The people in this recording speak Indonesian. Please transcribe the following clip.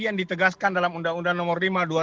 yang ditegaskan dalam undang undang nomor lima